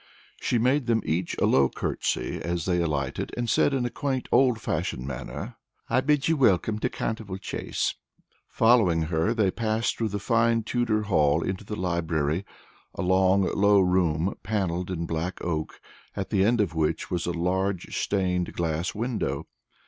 She made them each a low curtsy as they alighted, and said in a quaint, old fashioned manner, "I bid you welcome to Canterville Chase." Following her, they passed through the fine Tudor hall into the library, a long, low room, paneled in black oak, at the end of which was a large stained glass window.